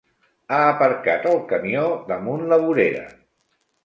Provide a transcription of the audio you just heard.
Ha aparcat el camió damunt la vorera.